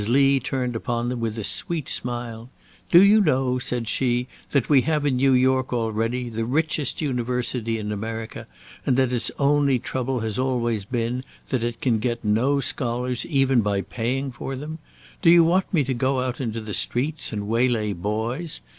Lee turned upon them with a sweet smile; "Do you know," said she, "that we have in New York already the richest university in America, and that its only trouble has always been that it can get no scholars even by paying for them? Do you want me to go out into the streets and waylay boys?